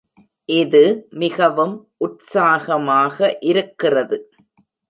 இது மிகவும் உற்சாகமாக இருக்கிறது.